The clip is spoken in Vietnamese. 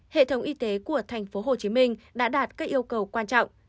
hệ thống y tế của tp hcm đã đạt các yêu cầu quan trọng